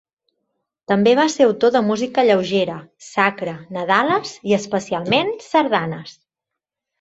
També va ser autor de música lleugera, sacra, nadales i, especialment, sardanes.